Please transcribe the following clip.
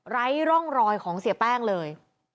ไร้ร่องรอยของเสียแป้งเลย